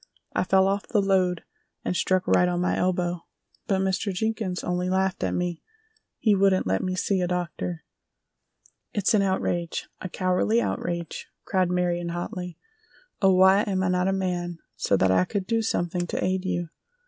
"I fell off the load and struck right on my elbow, but Mr. Jenkins only laughed at me—he wouldn't let me see a doctor." "It's an outrage, a cowardly outrage!" cried Marion, hotly. "Oh, why am I not a man so that I could do something to aid you!"